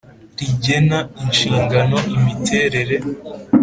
rigena inshingano imiterere